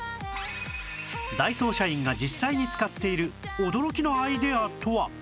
ダイソー社員が実際に使っている驚きのアイデアとは？